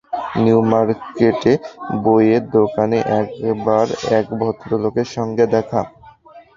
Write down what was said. নিউমার্কেটে বইয়ের দোকানে এক বার এক ভদ্রলোকের সঙ্গে দেখা!